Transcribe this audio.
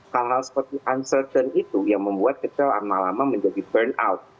hal hal seperti uncertain itu yang membuat kita lama lama menjadi burnout